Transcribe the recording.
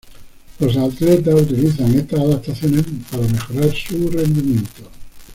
Los atletas utilizan estas adaptaciones para mejorar su rendimiento.